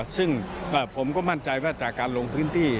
ซึ่งผมก็มั่นใจว่าจากการลงพื้นที่